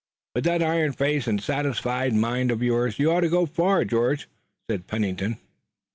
"With that iron face and satisfied mind of yours you ought to go far, George," said Pennington.